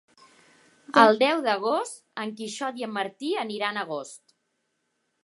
El deu d'agost en Quixot i en Martí aniran a Agost.